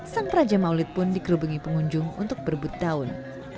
sang praja maulid pun dikerubungi pengunjung untuk berebut daun